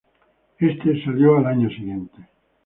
Éste salió al año siguiente.